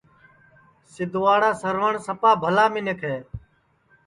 سیدھواڑا سروٹؔ سپا ٻلا منکھ ہے